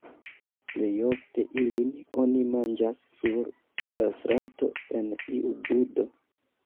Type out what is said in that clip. Plejofte ilin oni manĝas sur la strato en iu budo.